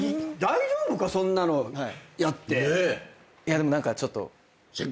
でも何かちょっと。